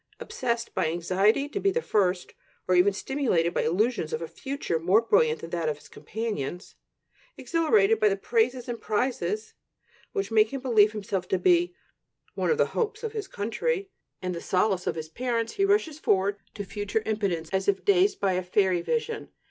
Obsessed by anxiety to be the first, or even stimulated by illusions of a future more brilliant than that of his companions, exhilarated by the praises and prizes which make him believe himself to be "one of the hopes of his country," and the "solace of his parents," he rushes forward to future impotence, as if dazed by a fairy vision.